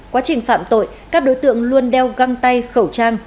quá trình phạm tội các đối tượng luôn đeo găng tay khẩu trang